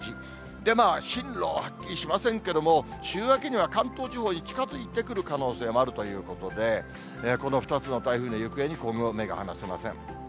で、進路ははっきりしませんけれども、週明けには関東地方に近づいてくる可能性もあるということで、この２つの台風の行方に、今後も目が離せません。